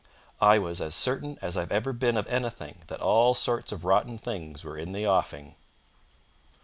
I was as certain as I've ever been of anything that all sorts of rotten things were in the offing.